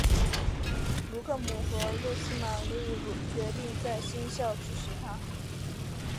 布卢姆和露丝玛丽决定在新校支持他。